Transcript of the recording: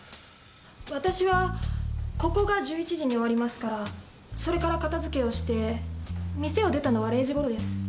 私はここが１１時に終わりますからそれから片づけをして店を出たのは０時頃です。